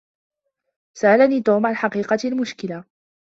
سألني توم عن حقيقة المشكلة.